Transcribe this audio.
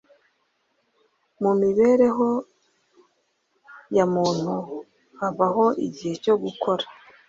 Mu mibereho ya muntu habaho igihe cyo gukora